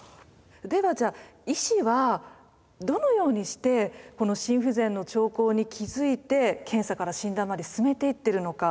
ではじゃ医師はどのようにしてこの心不全の兆候に気づいて検査から診断まで進めていってるのか。